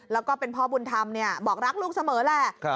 แล้วก็เป็นพ่อบุญธรรมบอกรักลูกเสมอแหละ